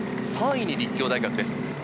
３位に立教大学です。